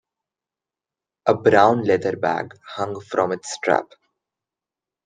A brown leather bag hung from its strap.